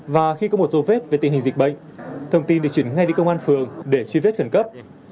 và khi có một dấu vết về tình hình dịch bệnh thông tin được chỉnh ngay đi công an phường để truy vết khẩn cấp